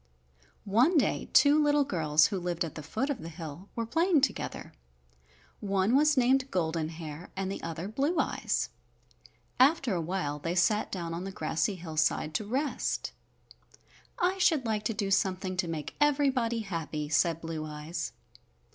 One day two little girls who lived at the foot of the hill were playing together. One was named Golden Hair and the other Blue Eyes. After a while they sat down on the grassy hillside to rest. "I should like to do something to make everybody happy," said Blue Eyes.